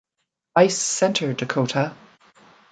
Ice Center, Dakotah!